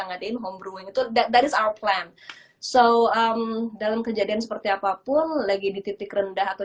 ngadain home browing itu that is our plan so dalam kejadian seperti apapun lagi di titik rendah atau